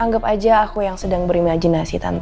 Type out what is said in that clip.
anggap aja aku yang sedang berimajinasi